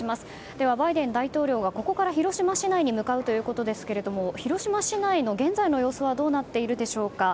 ではバイデン大統領がここから広島市内に向かうということですが広島市内の現在の様子はどうなっているでしょうか。